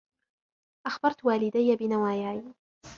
أخبرت والديّ بنواياي.